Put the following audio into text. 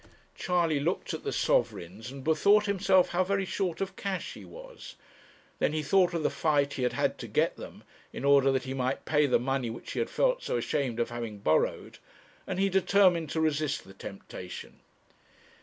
Charley looked at the sovereigns, and bethought himself how very short of cash he was. Then he thought of the fight he had had to get them, in order that he might pay the money which he had felt so ashamed of having borrowed, and he determined to resist the temptation.